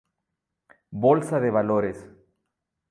Bolsa de valores